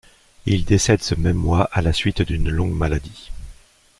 Il décède ce même mois à la suite d'une longue maladie.